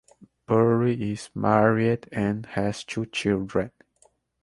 Puri is married and has two children.